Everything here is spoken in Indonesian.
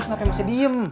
ngapain masih diem